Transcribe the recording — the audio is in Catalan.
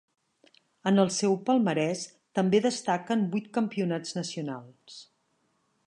En el seu palmarès també destaquen vuit campionats nacionals.